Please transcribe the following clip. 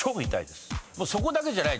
そこだけじゃない。